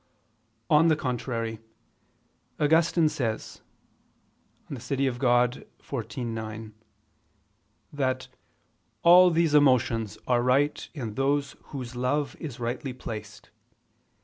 On the contrary, Augustine says (De Civ. Dei xiv, 9) that "all these emotions are right in those whose love is rightly placed